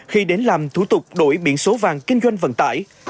khi đến làm thủ tục đổi biển số vàng kinh doanh vận tải